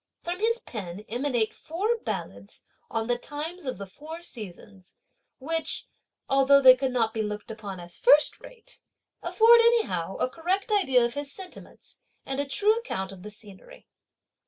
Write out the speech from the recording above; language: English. From his pen emanate four ballads on the times of the four seasons, which, although they could not be looked upon as first rate, afford anyhow a correct idea of his sentiments, and a true account of the scenery.